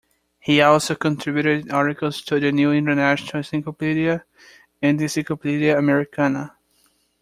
He also contributed articles to the "New International Encyclopedia" and "Encyclopedia Americana".